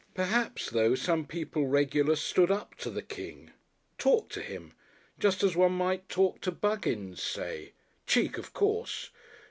Perhaps, though, some people regular stood up to the King! Talked to him, just as one might talk to Buggins, say. Cheek of course!